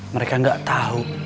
mereka gak tau